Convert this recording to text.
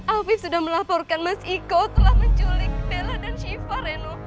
alvi sudah melaporkan mas iko telah menculik vella dan syifa reno